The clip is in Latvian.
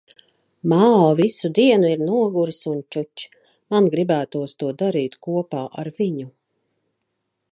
Mao visu dienu ir noguris un čuč. Man gribētos to darīt kopā ar viņu.